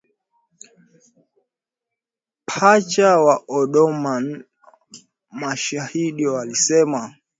pacha wa Omdurman mashahidi walisema